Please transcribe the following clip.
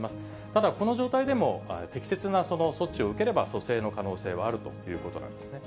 ただ、この状態でも適切な措置を受ければ、蘇生の可能性はあるということなんですね。